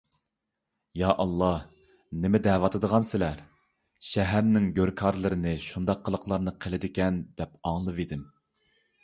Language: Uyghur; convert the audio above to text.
يا ئاللاھ، نېمە دەۋاتىدىغانسىلەر؟ شەھەرنىڭ گۆركارلىرىنى شۇنداق قىلىقلارنى قىلىدىكەن، دەپ ئاڭلىۋىدىم.